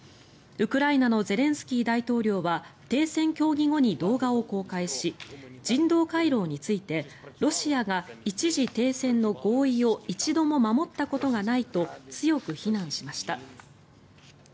ウクライナのゼレンスキー大統領は停戦協議後に動画を公開し人道回廊についてロシアが一時停戦の合意を一度も守ったことがないと強く非難しました。